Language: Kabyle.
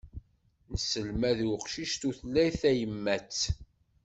Nesselmad i uqcic tutlayt tayemmat.